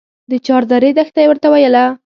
د چاردرې دښته يې ورته ويله.